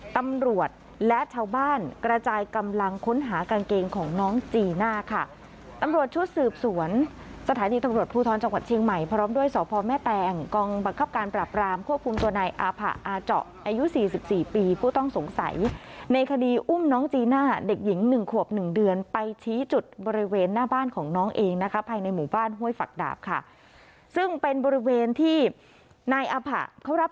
สวนสถานีตำรวจภูท้อนจังหวัดเชียงใหม่พร้อมด้วยสพแม่แตงกองบังคับการปรับรามควบคุมตัวนายอภะอาเจ้าอายุสี่สิบสี่ปีผู้ต้องสงสัยในคดีอุ้มน้องจีน่าเด็กหญิงหนึ่งขวบหนึ่งเดือนไปชี้จุดบริเวณหน้าบ้านของน้องเองนะคะภายในหมู่บ้านห้วยฝักดาบค่ะซึ่งเป็นบริเวณที่นายอภะเขารับ